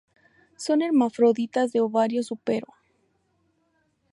Son hermafroditas de ovario súpero.